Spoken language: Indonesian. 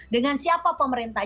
dengan siapa pemerintah